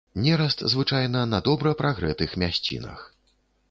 Нераст звычайна на добра прагрэтых мясцінах.